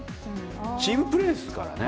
チームプレーですからね。